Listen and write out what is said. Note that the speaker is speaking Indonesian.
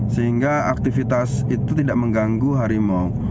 sehingga aktivitas itu tidak mengganggu harimau